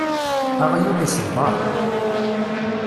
Aɣyul isebber.